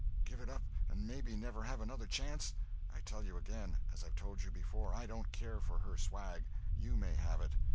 Give it up and maybe never have another chance. I tell you again, as I've told you before, I don't care for her swag—you may have it.